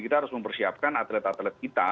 kita harus mempersiapkan atlet atlet kita